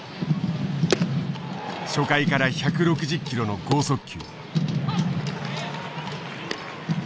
初回から１６０キロの剛速球。